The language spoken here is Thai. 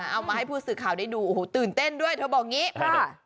เอามาให้ผู้สืบข่าวได้ดูโอ้โหตื่นเต้นด้วยเธอบอกงี้